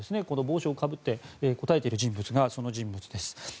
この帽子をかぶって答えている人物がその人物です。